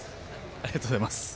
ありがとうございます。